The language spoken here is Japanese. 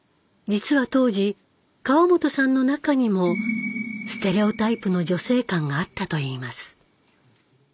実は当時川本さんの中にもステレオタイプの女性観があったといいます。